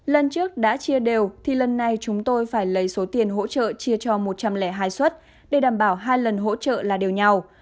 lần trước đã chia đều thì lần này chúng tôi phải lấy số tiền hỗ trợ chia cho một trăm linh hai xuất để đảm bảo hai lần hỗ trợ là điều nhau